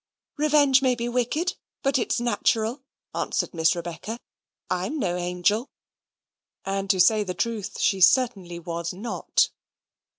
"Revenge may be wicked, but it's natural," answered Miss Rebecca. "I'm no angel." And, to say the truth, she certainly was not.